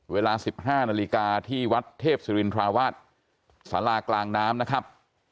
เวลา๑๕นาฬิกาที่วัดเทพศิรินทราวาสสารากลางน้ำนะครับ